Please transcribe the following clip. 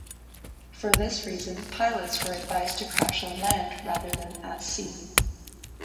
For this reason, pilots were advised to crash on land rather than at sea.